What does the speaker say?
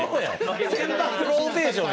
先発ローテーションや。